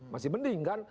masih mending kan